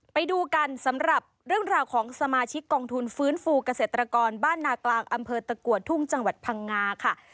ไปดูกันสำหรับเรื่องราวของสมาชิกกองทุนฟื้นฟูเกษตรกรบ้านนากลางอำเภอตะกัวทุ่งจังหวัดพังงาค่ะ